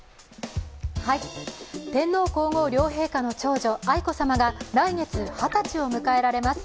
天皇・皇后両陛下の長女・愛子さまが来月、二十歳を迎えられます。